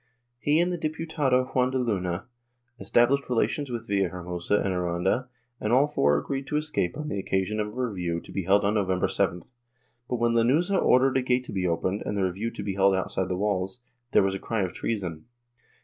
He and the Diputado Juan de Luna established relations with Villaher mosa and Aranda and all four agreed to escape on the occasion of a review to be held on November 7th, but when Lanuza ordered a gate to be opened and the review to be held outside the walls, there was a cry of treason.